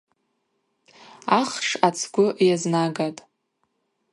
Ахш ацгвы йазнагатӏ.